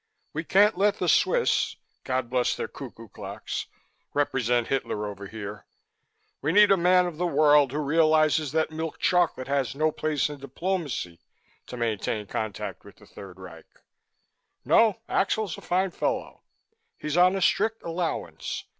We can't let the Swiss God bless their cuckoo clocks represent Hitler over here. We need a man of the world who realizes that milk chocolate has no place in diplomacy, to maintain contact with the Third Reich. No, Axel's a fine fellow. He's on a strict allowance.